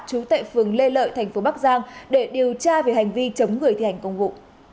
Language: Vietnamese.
trú tại phường lê lợi thành phố bắc giang để điều tra về hành vi chống người thi hành công vụ